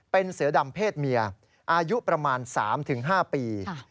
เป็นเสือดำเพศเมียอายุประมาณ๓๕ปี